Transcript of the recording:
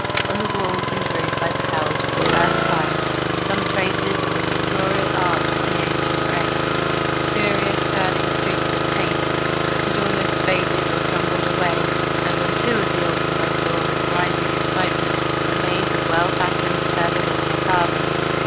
On the walls and roof I beheld for the first time some traces of the pictorial art of the ancient race, curious curling streaks of paint that had almost faded or crumbled away; and on two of the altars I saw with rising excitement a maze of well fashioned curvilinear carvings.